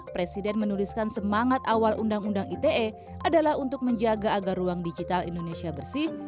presiden menuliskan semangat awal undang undang ite adalah untuk menjaga agar ruang digital indonesia bersih